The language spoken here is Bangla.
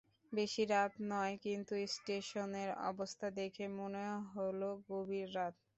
বেশি রাত নয়, কিন্তু স্টেশনের অবস্থা দেখে মনে হলো গভীর রাত।